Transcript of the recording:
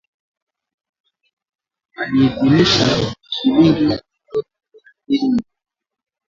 aliidhinisha shilingi bilioni thelathini na nne